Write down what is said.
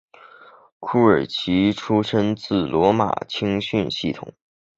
库尔奇出身自罗马的青训系统。